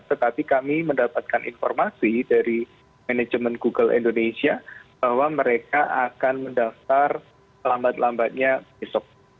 tetapi kami mendapatkan informasi dari manajemen google indonesia bahwa mereka akan mendaftar lambat lambatnya besok